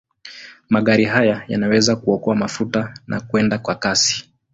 Magari haya yanaweza kuokoa mafuta na kwenda kwa kasi.